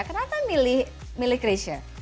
kenapa milih cresce